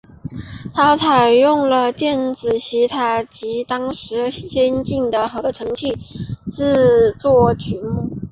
它采用了电子吉他及当时最先进的合成器来制作曲目。